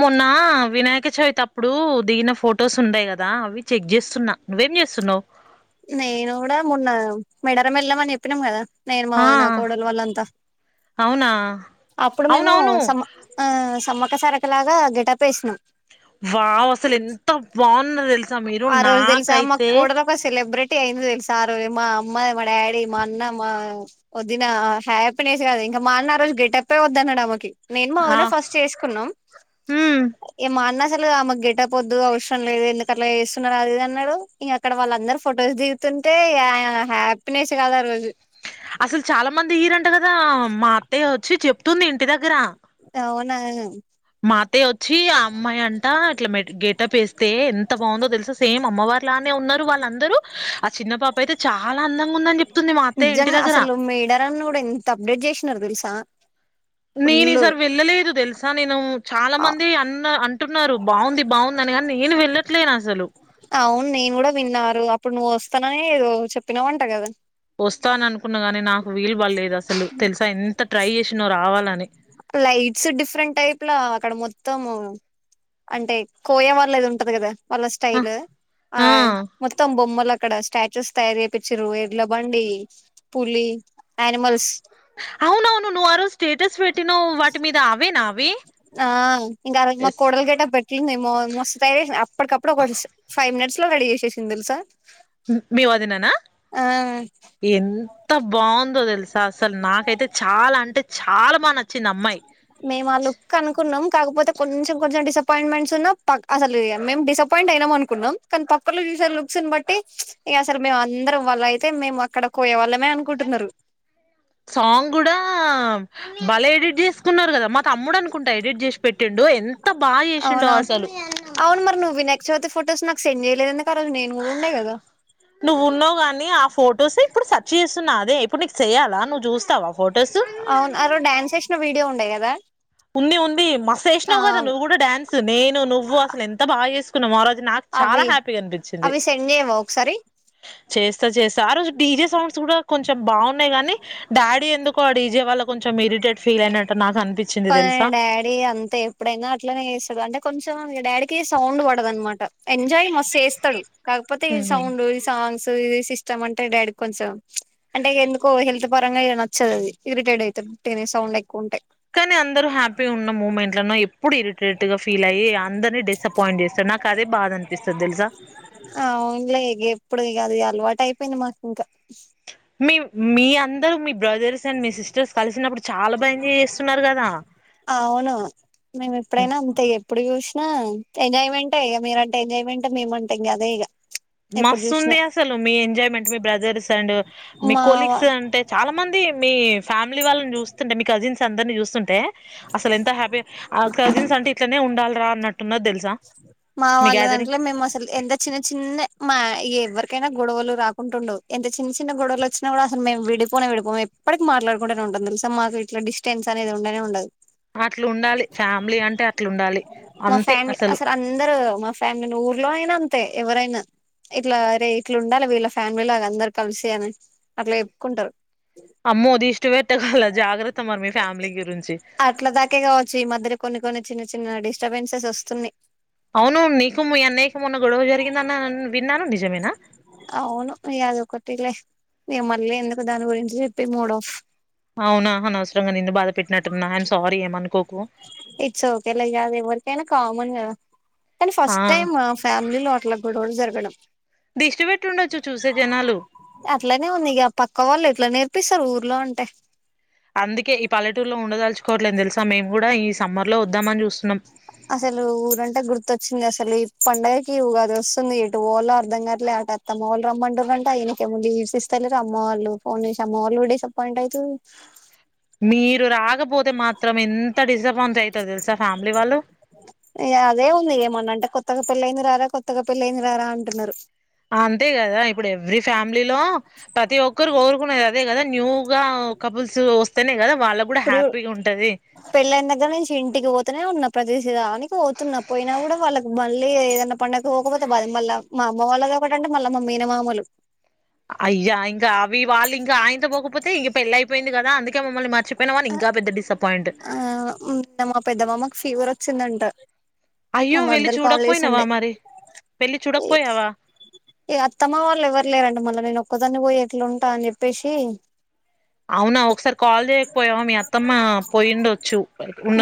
మొన్న వినాయక చవితప్ప ఇప్పుడు దిగిన ఫొటోస్ ఉంటాయ్ కదా అవి చెక్ చేస్తున్నా నువ్వేం చేస్తున్నావ్ నేను కూడా మొన్న మేడారం వెళ్ళాము అని చెప్పినాం కదా నేను ఆ మావదిన నా కోడలు వాల్లంతా అవునా అప్పుడు మేము అవునవును సమ్మ సమ్మక్క అక్క సారక్క లాగా గెటప్ వేసినాం వావ్ అసలు ఎంత బాగున్నో తెలుసా మీరు ఆ రోజు తెలుసా మా నాకైతే కోడలు ఒక సెలబ్రిటీ అయింది తెలుసా మా అమ్మ మా డాడీ మా అన్న మా వదిన హ్యాపీనెస్ కాదు ఇంకా మా అన్న ఆ రోజు గెటప్పే వద్దున్నాడు ఆమెకి నేను ఆ మావదిన ఫస్ట్ చేసుకున్నాం ఉమ్ ఏ మా అన్న ఆమెకు గేటప్ వొద్దు అవసరం లేదు ఎందుకు అట్లా చేస్తున్నారు అది ఇది అన్నాడు ఇక అక్కడ వాళ్ళందరూ ఫొటోస్ దిగుతుంటే హ్యాపీనెస్ కాదా ఆ రోజు అసలు చాలా మంది ఈరన్ ట్ గదా మా అత్తయోద్ చి చెప్తుంది ఇంటి దగ్గర అవునా మా అతయ్యొచ్చి ఆ అమ్మాయి అంటా అట్ల మెట్ గెటపేస్తే ఎంత బాగుందో తెల్సా! సేమ్ అమ్మవారు లానే ఉన్నారు వాళ్ళందరూ, ఆ చిన్న పాపైతే చాలా అందంగుందని చెప్తుంది మా అతయ్య ఇంటి నిజంగా దగ్గర. న్నరు తెలుసా ఫుల్ నేనీసారి వెళ్లేళే ద్ తెల్సా నేను చాలా మంది అన్న అన్ టున్నారు బాగుంది బాగుందని గాని నేను వెళ్ళ ట్లే నజలు అవును నేను గుడ విన్నారు అప్పుడు నువ్వు వస్తాననే ఏదో చెప్పినవంట గదా వస్తాననుకున్న గాని నా వీలు బల్లేదు అసలు తెలుసా ఎంత ట్రై చేసినో రావాలని త్తము అంటే కోయ వాళ్ళది ఉంటది గదా వాళ్ళ ఆ స్టైల్ ఆ మొత్తం బొమ్మల ఇక్కడ స్టాచ్యూస్ తయారు చేపిచ్చిర్రు ఎడ్ల బండి పులి ఆనిమల్స్ అవునవును నువ్వు ఆ రోజు స్టేటస్ పెట్ ఆ ఇంక ఆయమా ఎస్ కోడల్ గెటప్ ఎట్లుందేమో? మస్త్ ట్రైచేసినా అప్పటికప్పుడు ఒక ఫైవ్ మినట్స్ లో రెడీ చేసేసింది తెలుసా మీ వదిననా ఆ ఎంత బావుందో తెలుసా అస్సల్ నాకైతే చాలా అంటే చాలా బా నచ్చింది అమ్మాయి మేము ఆ లుక్ అపాయింట్మెంట్స్ ఉన్నా పక్ అసలు ఇగ మేం డిసప్పాయింట్ అయినాం అనుకున్నాం! కానీ పక్కోలు చూసే లుక్స్ని బట్టి ప్చ్ ఏ అసలు మేమందరం, వాళ్లైతే మేము అక్కడ కోయ వాల్లమే అనుకుంటున్నరు. సాంగ్ గుడా భలే ఎడిట్ చేస్ తున్నరు గదా మా తమ్ముడనుకున్ ఎడిట్ చేసి పెట్ టిండో ఎంత బాగ చేసిండో అవునవును అసలు అవును మరి నువ్వు వినాయక చవితి ఫొటోస్ నాకు సెండ్ చేయలేదెందుకు ఆరోజు నేను గూడుండే గదా నువ్వున్నావు గాని ఆ ఫోటోసే ఇప్పుడు సర్చ్ చేస్తున్నా అదే ఇప్పుడు నీకు సెయాలా నుద్ అవున్ ఆరో డ్యాన్సేసిన వీడియో ఉన్ టే గదా ఉంది ఉంది మస్తేసినవ్ గదా నువ్వు గుడా డాన్స్ నేను నువ్వు అసలు ఎంత బాగేసు తున్న మారాయి అది నాకు చాలా అవి హ్యాపీగా అనిపించింది అవి సెండ్ చేయవా ఒకసారి చేసు చేస్తా చేస్తా ఆ రోజు డీజే సాంగ్స్ కూడా కొంచెం బాగున్నాయి కాని డాడీ ఎందుకో ఆ డీజే వాళ్ళ కొంచెం ఇరిటేట్ ఫీలైనట్టు నాకు అనుపి కొందరి డాడీ అంతే ఎప్పుడైనా అట్లనే చేస్తాడు అంటే కొంచెం ఇగ డాడీ కి సౌండ్ పడదన్నమాట ఎంజాయ్ మస్తు చేస్తాడు కాకపోతే ఈ సౌండ్ ఈ సాంగ్స్ నువ్ ఇది సిస్టమ్ అంటే డాడీ కొంచెం అంటే ఎందుకో హెల్త్ పరంగా ఇగ నచ్చదు అది ఇరిటేట్ ఐతాడు ఒట్టిగనే సౌండ్ ఎక్కువ ఉంటే కానీ అందరూ హ్యాపీగా ఉన్న మూమెంట్లను ఎప్ ఎప్పుడు ఇరిటేట్ గా ఫీల్ అయ్యి అందరినీ డిసప్పయింట్ చేస్తారు నాకు అదే బాధ అనిపిస్తది తెలుసా ఆట్ అయిపోయింది మాక్ ఇంకా మీవు మీ అందరూ మీ బ్రదర్స్ అండ్ మీ సిస్టర్స్ కలిసినప్పుడు చెప్ అవును మేము ఎప్పుడైనా అంతే ఎప్పుడు చూస్ న ఎంజాయ్మెంటే ఇగ మీరంటే ఎంజాయ్మెంట్ మేముమంటె అదే ఇగ ఎప్పుడు మస్తు ఉంది చూసినా అసలు మీ ఎంజాయ్మెంట్ మీ బ్రదర్స్ అండ్ మీ మా కొలీగ్స్ అంటే చాలా మంది మీ ఫ్యామిలీ వాళ్లని చూస్తుంటే మీ కజిన్స్ అందరిని చూస్తుంటే అసలు ఎంత హ్యాపీ అ కజిన్స్ అంటే ఇట్లా నే ఉండాలి రా అన్నట్టున్నది తెలుసా మా మీ వాళ్ల గ్యాదరింగ్ దాంట్లో మేము అసలు ఎంత చిన్న చిన్న మా ఎవరికైనా గొడవలు రాకుంట ఉండవు ఎంత చిన్న చిన్న గొడవలు వచ్చినా కూడా అసలు మేము విడిపోనే విడిపోం ఎప్పటికి మాట్లాడుకుంటేనే ఉంటాం తెలుసా మాకు ఇట్లా డిస్టెన్స్ అనేది ఉండనే ఉండదు అట్లా ఉండాలి ఫ్యామిలీ అంటే అట్లా ఉండాలి అంతే అసలు తో మా ఫ్యామిలీ ని ఊర్లో అయినా అంతే ఎవరైనా ఇట్లా అరే ఇట్లా ఉండాలి వీళ్ల ఫ్యామిలీ లాగ అందరు కలిసి అని అట్లా చెప్పుకుంటారు అమ్మో దిష్టి పెట్టగల జాగ్రత్త మరి మీ ఫ్యామిలీ గురించి సిన్నగా డిస్టబెన్స్ వస్తున్నాయి అవును నీకు మీ అన్నయ్య కు మొన్న గొడవ జరిగిందన్న విన్నాను నిజమేనా అవును ఇగ అదొకటిలే ఇగ మళ్లీ ఎందుకు దాని గురించి చెప్పి మూడ్ ఆఫ్ అవునా అనవసరంగా నిన్ను బాధ పెట్టినట్టుఉన్నా ఐమ్ సారీ ఏమనుకోకు ఇట్స్ ఓకే లే ఇగ అది ఎవరికైనా కామన్ కదా కాని ఆ ఫస్ట్ టైమ్ మా ఫ్యామిలీ లో అట్ల గొడవలు జరగడం దిష్టి పెట్టి ఉండొచ్చు చూసే జనాలు అట్లానే ఉంది ఇగ పక్కవోళ్లు ఎట్ల నేర్ ప్పిస్తారు ఊర్లో ఉంటే అందుకే ఈ పల్లెటూరులో ఉండదల్చు కోవట్లేదు తెలుసా మేం కూడా ఈ సమ్మర్ లో వద్దాం అని చూస్తున్నాం అసలు ఊరంటే గుర్తొచ్చింది అసలు ఈ పండుగకి ఉగాది వస్తుంది ఎటు వోవాలో అర్ధం కాట్లే అట అత్తమ్మ వాళ్లు రమ్మంటురు అంట ఇయనకి ఏమో లీవ్స్ ఇస్తలేరు అమ్మ వాళ్ళు ఫోన్ చేసి అమ్మ వాళ్ళు డిసప్పాయింట్ అయితుర్రూ మీరు రాకపోతే మాత్రం ఎంత డిసప్పాయిం ఐతరు తెలుసా ఫ్యామిలీ వాళ్లు త్తగా పెళ్ళైయింది రారా కొత్తగా పెళ్ళైయింది రారా అంటున్నారు అంతే కదా ఇప్పుడు ఎవ్రీ ఫ్యామిలీలో ప్రతి ఒక్కరు కోరుకునేది అదే కదా న్యూగా కపుల్స్ వస్తేనే కదా వాళ్లకు కూడా హ్యాపీగుంటది పెళ్లైన దగ్గర నుంచి ఇంటికి పోతనే ఉన్నా ప్రతి దానికి పోతున్నా పోయినా కూడా వాళ్లకి మళ్లీ ఏదైనా పండగ కు పోకపోతే బాద మళ్ల మా అమ్మ వాళ్లదోకటి అంటే మళ్ల మా మేన మామలు అయ్యా ఇంకా అవి వాళ్లు ఇంకా ఆయింత పోకపోతే ఇక పెళ్లి అయిపోయింది కదా అందుకే మమ్మల్ని మరిచిపోయినవు అని ఇంకా పెద్ద డిసప్పాయింట్ అ నిన్న మా పెద్ద మామకు ఫీవర్ వచ్చిందంట మా అయ్యో వెళ్ళి మర్దలు కాల్ జేసి చూడకపోయినావా ఉండే మరి పెళ్లి ఇ చూడకపోయావా ఇగ అత్తమ్మ వాళ్లు ఎవరు లేరంట మళ్ల నేను ఓ కదాన్ని పోయి ఎట్లా ఉంటా అని చెప్పేసి అవునా ఒకసారి కాల్ చేయకపోయావా మీ అత్తమ్మ పోయిం డోచ్చు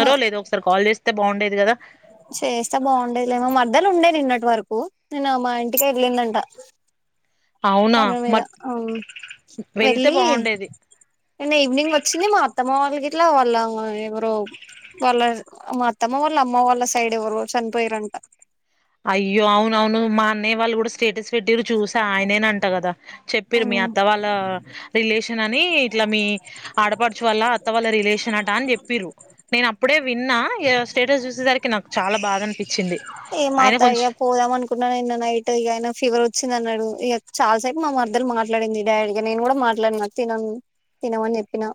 మా లేదో ఒకసారి కాల్ చేస్తే బాగుండేది కదా చేస్తే కు నిన్న మా ఇంటికేళ్లిందంట అవునా పని మీద మరి వెళ్తే వెళ్ళి బాగుండేది నిన్నా ఈవినింగ్ ఓచ్చింది మా అత్తమ్మ వాల్ గిట్లా వాళ్ళ ఎవరో టాళ్ళ మా అత్తమ్మ వాళ్ళ అమ్మ వాళ్ళ సైడ్ ఎవరో చనిపోయారంట అయ్యో అవునవును మా అన్నయ్య వాళ్ళు కూడా స్ స్టేటస్ పెట్టిరు చూసా ఆయనేనంట కదా చెప్పిరు మీ అత్త వాళ్ళ రిలేషన్ అని ఇట్లా మీ ఆడపడుచు వల్ల అత్త వాళ్ళ రిలేషన్ అట అని చెప్పిరూ నేను అప్పుడే విన్నా ఇగ స్టేటస్ చూసేసరికి నాకు చాలా బాధ అనిపించింది ఇగ కొంచెం పోదాం అనుకున్నా నిన్న నైట్ అయినా ఫీవర్ వో వచ్చింది అన్నాడు ఇగ చాలాసేపు మా మద్దల్ మాట్లాడింది డాడీగా నేను కూడా మాట్లాడిన తినను తినమని చెప్పిన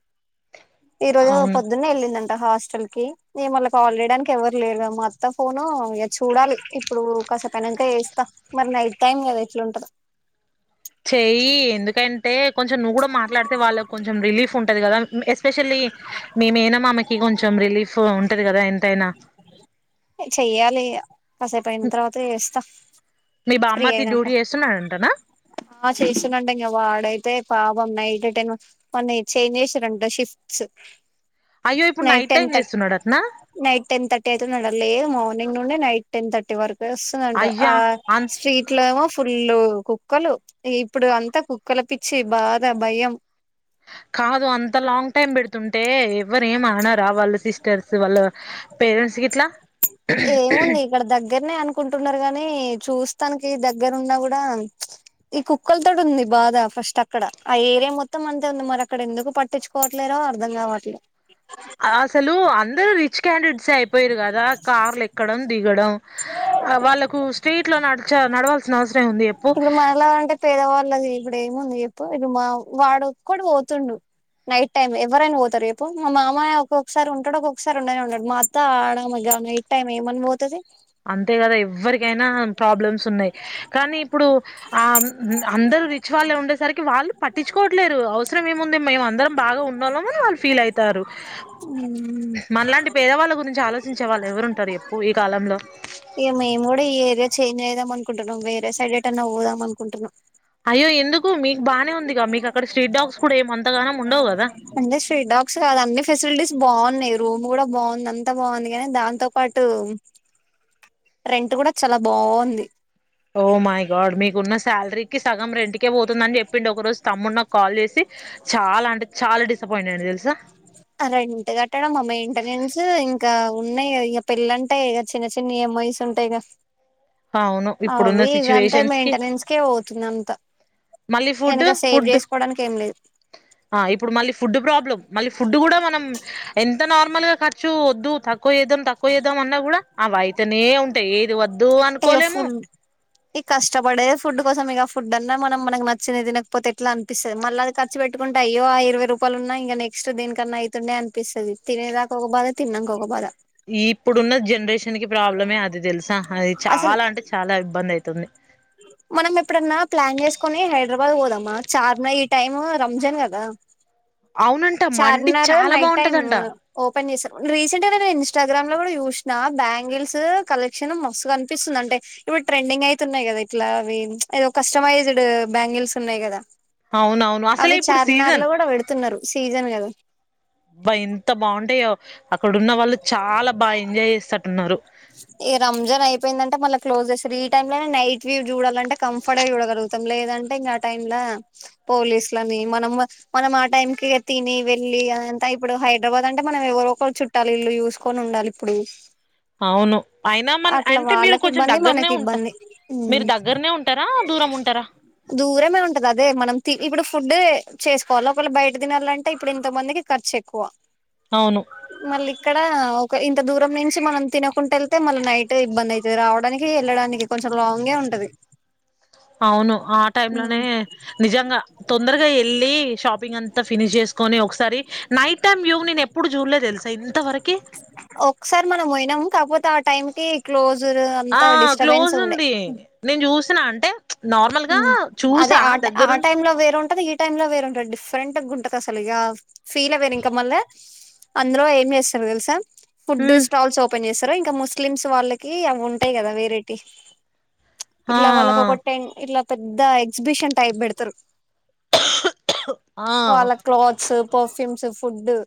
ఈరోజు ఆమె అవును పొద్దున్నే ఎల్లిందన్ హాస్టల్ కి నేన్ మల్ల కాల్ చేయడానికి ఎవరు లేరు గా మా అత్త ఫోను ఇగ చూడాలి ఇప్పుడు కాసే పైనాక చేస్తా మరి నైట్ టైమ్ కదా ఎట్లుంటదో చెయ్యి ఎందుకంటే కొంచెం నువ్వు కూడా మాట్లాడితే వాళ్ళకి కొంచెం రిలీఫ్ ఉంటంది కదా ఎస్పెషల్లీ మి మేన మామకి కొంచెం రిలీఫ్ ఉంటది కదా ఎంతైనా చెయ్యాలి ఇగ కాసేపు అయిన తర్వాత చేస్తా మీ ఫ్రీ బామ్మర్ది అయినాక డ్యూటీ చేస్తున్నడంటనా ఆ చేస్తుందంట ఇంగ వాడైతే పాపం నైట్ టైన్ వాన్ని చేంజ్ చేసిరంట షిఫ్ట్స్ అయ్యో ఇప్పుడు నైట్ టెన్ టైం థర్ట్ చేస్తున్నాడటనా నైట్ టెన్ థర్టీ అయితుంది అంటలేదు మా ఓ మార్నింగ్ నుండి నైట్ టెన్ థర్టీ వరకు ప్రసునుంట ఆ అయ్యా అం స్ట్రీట్ లో ఏమో ఫుల్లు కుక్కలు ఇప్పుడు అంతా కుక్కల పిచ్చి బాధ భయం కాదు అంత లాంగ్ టైమ్ పెడుతుంటే ఎవరు ఏమ అన్నారా వాళ్ళు సిస్టర్స్ వాళ్ళ పేరెంట్స్ గిట్లా కుంటున్నారు గాని చూస్తానికి దగ్గరున్నా కూడా ఈ కుక్కలతోటి ఉంది బాధ ఫస్ట్ అక్కడ ఆ ఏరియా మొత్తం అంతే ఉంది మరి అక్కడ ఎందుకు పట్టించుకోవట్లేదో అర్ధం కావట్లేదు అసలు అందరుూ రిచ్ క్యాండిడేట్స్ అయిపోయారు కదా కార్లు ఎక్కడం దిగడం వాళ్ళకు స్టేట్ లో నడిచే నడవాల్సిన అవసరం ఎం ఉంది చేప్పు ది ఇప్పుడు ఏముంది ఎప్పు ఇ మా వాడు కూడా పోతుండు నైట్ టైమ్ ఎవరైనా పోతారు ఎప్పు మా మామయ ఒక్కొక్కసారి ఉంటాడు ఒక్కొక్కసారి ఉండని ఉండడు మా అ ఆడ మగా ఈట్ టైమ్ ఏమన్నా పోతది అంతే కదా ఎవ్వరికైనా ప్రాబ్లమ్స్ ఉన్నాయి కానీ ఇప్పుడు ఆ అందరుూ రిచ్ వాళ్ళే ఉండేసరికి వాళ్ళు పట్టించుకోవట్లేరు అవసరం ఏముంది మేము అందరం బాగా ఉండలో వాళ్ళు ఫీల్ అయితారు మనలాంటి పేదవాళ్ళ గురించి ఆలోచించ ఆచించే వాళ్ళు ఎవరు ఉంటారు చెప్పు ఈ కాలంలో ఇ మేము కూడా ఈ ఏరియా చేంజ్ అయదాం అనుకుంటున్నాం వేరే సైడ్ ఏటైన్నా పోదాం అనుకుంటున్నాం అయ్యో ఎందుకు మీకు బానే ఉందిగా మీకు అక్కడ స్ట్రీట్ డాగ్స్ కూడా ఏం అంతగానం ఉండవు కదా అంటే స్ట్రీట్ డాగ్స్ కాదు అన్ని ఫెసిలిటీస్ బాగున్నాయి రూమ్ కూడా బాగుంది అంత ఎంత బాగుంది కానీ దాంతో పాటు రెంట్ కూడా చాలా బాగుంది ఓ మై గాడ్ మీకున్న శాలరీకి సగం రెంటికే పోతుందని చెప్పిండు ఒక రోజు తమ్ముడు నా కాల్ చేసి చాలా అంటే చాలా డిసప్పయింట్ అయిన తెలుసా రెంట్ కట్టడం మా మెయింటెనెన్స్ ఇంకా ఉన్నాయి ఇక పెళ్ళంటె ఇక చిన్న చిన్నఎంఐస్ ఉంటాయి గా అవును ఇప్పుడున్న సిచ్యువేషన్స్ కి కే పోతుంది అంతా మళ్ళీ ఫుడ్ వెనక సేవ్ ఫుడ్ చేసుకోవడానికి ఏం లేదు ఇప్పుడు అ మళ్ళీ ఫుడ్ ప్రాబ్లమ్ మళ్ళీ ఫుడ్ కూడా మనం ఎంత నార్మల్గా గా ఛూ వద్దు తక్కువ వచేద్దాం తక్కువచేద్దాం అన్నా కూడా అవియితనే ఉంటాయి ఏది వద్దు అను ఇక ఫుడ్ ఈ కష్టపడేదే ఫుడ్ కోసమే గా ఫుడ్ అన్నా మనం మనకి నచ్చింది తినకపొతే ఎట్ల అపిస్తుంది మళ్ళ అది ఖర్చు పెట్టుకుంటే అయ్యో ఇరవై రూపాయలు ఉన్నా నెక్స్ట్ దేనికన్నా అయితుండే అ పిస్తది తినే దాకా ఒక బాద తి తిన్నంకా ఒక బాద. ఈ ఇప్పుడున్న జనరేషన్ నకి ప్రాబ్లమే అది తెలుసా అది అసలు చాలా అంటే చాలా ఇబ్బంది అయితుంది మనం ఎప్పుడన్నా ప్లాన్ చేసుకుని హైదరాబాద్ పోదామా చార్మినార్ ఈ టైమ్ రంజాన్ కదా అవునంట మండి చాలా బాగుంటదంట పనిచేసాను రీసెంట్ గా నేను ఇన్స్టాగ్రామ్ లో కూడా చుసినా బ్యాంగిల్స్ కలెక్షన్ మస్తుగా కనిపిస్తుంది అంటే ఇప్పుడు ట్రెండింగ్ అయితున్నాయి కద ఇప్పుడు అట్లా అవి ఎదో కస్టమైజ్డ్ బ్యాంగిల్స్ ఉన్నాయి కదా అవునవును అసలే అవి ఇప్పుడు చార్మినార్ సీజన్ లో కూడా పెడుతున్నారు సీజన్ కదా అబ్బ ఎంత బావుంటాయో అక్కడ ఉన్న వాళ్ళు చాలా బా ఎంజాయ్ చేస్తట్టున్నారు ఇహ రంజాన్ అయిపోయిందంటే మళ్ళా క్లోజ్ చేస్తారు ఈ టైం లోనే నైట్ వ్యూ చూడాలంటే కంఫర్ట్ గా చూడగలుగుతాం లేదంటే ఇంకా టైమ్ ల పోలీసులని మనం మనం ఆ టైం కి తిని వెళ్ళి అంత ఇప్పుడు హైదరాబాద్ అంటే మనం ఎవరో ఒకరు చుట్టాల ఇల్లు చూసుకొని ఉండాలి ఇప్పుడు అవును అయినా మన అట్లా అంటే మీరు వాళ్ళకి కొంచెం ఇబ్బంది, దగ్గరనే మనకి ఉంటా ఇబ్బంది. మీరు హ్ దగ్గరనే ఉంటారా దూరం ఉంటారా దూరమే ఉంటది అదే మనం తి ఇప్పుడు ఫు డ్డే చేసుకోవాల. ఒకవేళ బయట తినాలంటే ఇప్పుడు ఇంత మందికి ఖర్చు ఎక్కువ. అవును మళ్ళి ఇక్క డ ఒక ఇంత దూరం నుంచి మనం తినకుంట ఎళ్తే మళ్ళ నైటే ఇబ్బంది అయితది రావడానికి, వెళ్ళడానికి కొంచెం లాంగే ఉంటది. అవును ఆ టైం లోనే నిజంగా తొందరగా ఎళ్ళి షాప్ పింగ్ అంతా ఫినిష్ చేసుకొని ఒకసారి నైట్ టైమ్ వ్యు నేను ఎప్పుడు చూడలే తెలుసా ఇంతవర ఒకసార్ మనం పొయినం. కాకపొ తే ఆ టైం కి క్లోజుర్ అంత ఆ డిస్టర్బెన్స్ ఉండే. సిన అంటే నార్మల్ గా హ్ అదే చూసా ఆ ఆ దగ్గరుండి టైం లో వేరు ఉంటది. ఈ టైమ్ లో వేరుంటది. డి ఫ్రెంట్ గుంటదసలు ఇగా ఫీలే వేరు ఇంకా మల్లా అందులో ఏం చేస్తరు తెలుసా. ఫుడ్ హ్మ్ స్టాల్స్ ఓపెన్ చేస్ తరు. ఇంకా ముస్లిమ్స్ వాళ్ళకి అవి ఉంటయి కదా వేరెటీయి ఆ ఇట్లా వాళ్ళకు ఒక టెన్ ఇట్ల పెద్ద ఎగ్జిబిషన్ టైప్ పెడతరు. ఆ ఆ వాళ్ళ క్లోత్స్ పర్ఫ్యూమ్స్, ఫుడ్డు